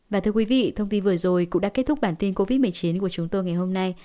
và thưa quý vị thông tin vừa rồi cũng đã kết thúc bản tin covid một mươi chín của chúng tôi ngày hôm nay